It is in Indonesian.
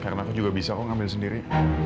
karena aku juga bisa kok ngambil sendiri